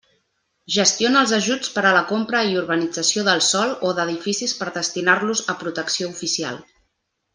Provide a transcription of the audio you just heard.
Gestiona els ajuts per a la compra i urbanització del sòl o d'edificis per destinar-los a protecció oficial.